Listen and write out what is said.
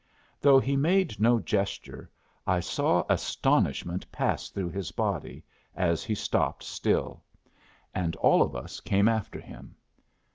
Though he made no gesture, I saw astonishment pass through his body, as he stopped still; and all of us came after him.